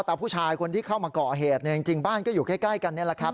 แต่ผู้ชายคนที่เข้ามาก่อเหตุเนี่ยจริงบ้านก็อยู่ใกล้กันนี่แหละครับ